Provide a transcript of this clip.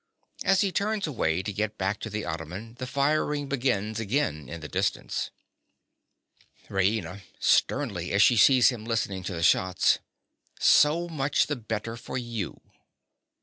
(As he turns away to get back to the ottoman, the firing begins again in the distance.) RAINA. (sternly, as she sees him listening to the shots). So much the better for you.